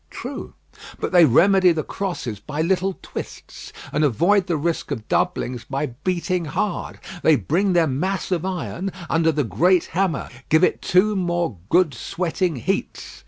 "True; but they remedy the crosses by little twists, and avoid the risk of doublings by beating hard. They bring their mass of iron under the great hammer; give it two more good sweating heats.